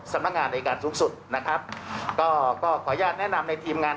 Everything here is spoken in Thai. สำนักงานในการสูงสุดนะครับก็ก็ขออนุญาตแนะนำในทีมงาน